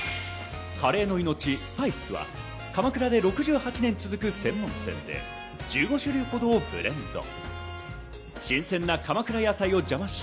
カレーの命、スパイスは鎌倉で６８年続く専門店で１５種類ほどをブレンド。